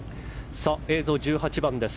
映像、１８番です。